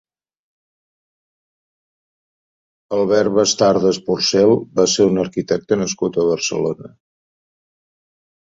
Albert Bastardes Porcel va ser un arquitecte nascut a Barcelona.